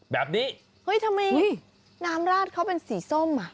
แบบนี้เฮ้ยทำไมน้ำราดเขาเป็นสีส้มอ่ะ